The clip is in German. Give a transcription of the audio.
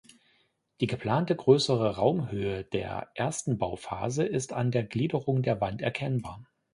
Die geplante größere Raumhöhe der ersten Bauphase ist an der Gliederung der Wand erkennbar.